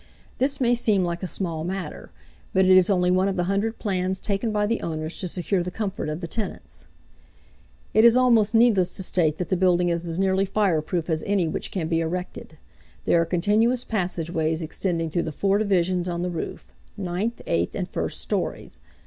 This may seem like a small matter, but it is only one of the hundred plans taken by the owners to secure the comfort of the tenants. It is almost needless to state that the building is as nearly fireproof as any which can be erected. There are continuous passageways extending through the four divisions on the roof; ninth, eighth, and first stories.